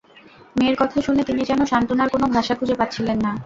মেয়ের কথা শুনে তিনি যেন সান্ত্বনার কোনো ভাষা খুঁজে পাচ্ছিলেন না।